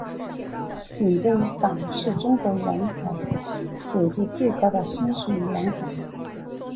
锦州港是中国沿海纬度最高的深水良港。